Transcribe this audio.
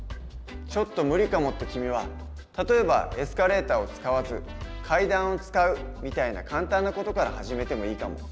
「ちょっと無理かも」って君は例えばエスカレーターを使わず階段を使うみたいな簡単な事から始めてもいいかも。